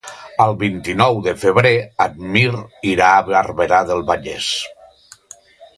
El vint-i-nou de febrer en Mirt irà a Barberà del Vallès.